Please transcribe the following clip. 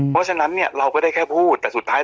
เพราะฉะนั้นเราก็ได้แค่พูด